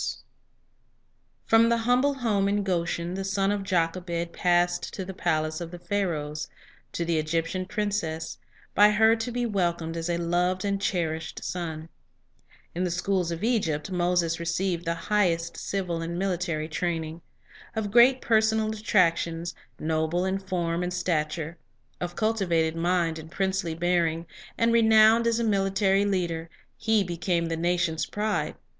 Teaching 62 Illustrations In the Schools of Egypt The Lesson of Defeat Training for Leadership From the humble home in Goshen, the son of Jochebed passed to the palace of the Pharaohs, to the Egyptian princess, by her to be welcomed as a loved and cherished son. In the schools of Egypt, Moses received the highest civil and military training. Of great personal attractions, noble in form and stature, of cultivated mind and princely bearing, and renowned as a military leader, he became the nation's pride.